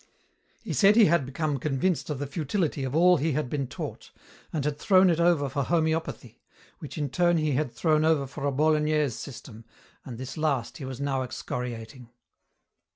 He said he had become convinced of the futility of all he had been taught, and had thrown it over for homeopathy, which in turn he had thrown over for a Bolognese system, and this last he was now excoriating.